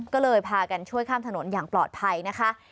ก็เลยพากันช่วยข้ามถนนอย่างปลอดภัยนะคะ